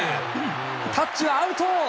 タッチはアウト！